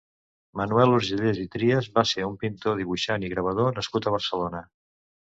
Manuel Urgellès i Trias va ser un pintor, dibuixant i gravador nascut a Barcelona.